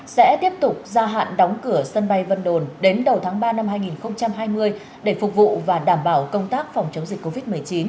sẽ tiếp tục gia hạn đóng cửa sân bay vân đồn đến đầu tháng ba năm hai nghìn hai mươi để phục vụ và đảm bảo công tác phòng chống dịch covid một mươi chín